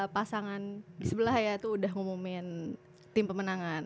pasangan disebelah ya itu udah ngumumin tim pemenangan